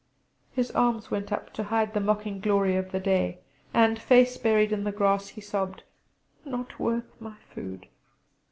His arms went up to hide the mocking glory of the day, and, face buried in the grass, he sobbed: "Not worth my food!"